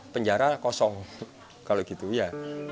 penjara kosong kalau gitu ya